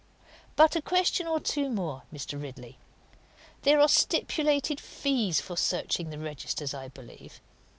But a question or two more, Mr. Ridley. There are stipulated fees for searching the registers, I believe.